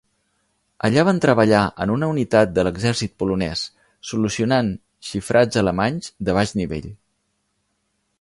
Allà van treballar en una unitat de l'exèrcit polonès, solucionant xifrats alemanys de baix nivell.